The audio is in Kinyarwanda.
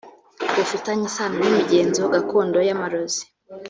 bufitanye isano n’imigenzo gakondo y’amarozi